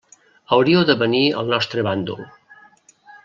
Hauríeu de venir al nostre bàndol.